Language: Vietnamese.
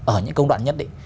ở những công đoạn nhất định